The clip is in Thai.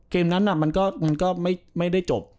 เกมนั้นมันก็ไม่ได้จบ